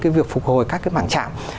cái việc phục hồi các cái bảng chạm